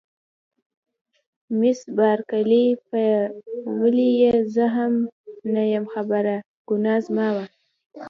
مس بارکلي: په ولې یې زه هم نه یم خبره، ګناه زما وه.